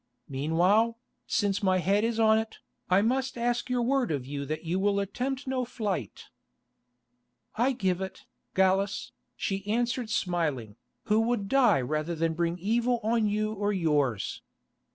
"Meanwhile, since my head is on it, I must ask your word of you that you will attempt no flight." "I give it, Gallus," she answered smiling, "who would die rather than bring evil on you or yours.